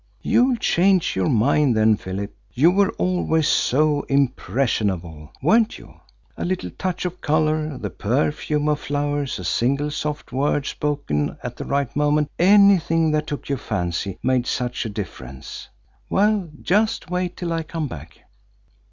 "You'll change your mind then, Philip. You were always so impressionable, weren't you? A little touch of colour, the perfume of flowers, a single soft word spoken at the right moment anything that took your fancy made such a difference. Well just wait till I come back!"